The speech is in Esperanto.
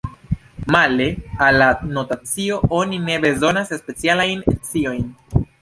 Male al la notacio oni ne bezonas specialajn sciojn.